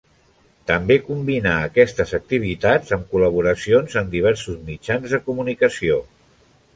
També combinà aquestes activitats amb col·laboracions en diversos mitjans de comunicació.